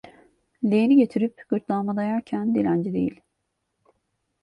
Leğeni getirip gırtlağıma dayarken: "Dilenci değil!"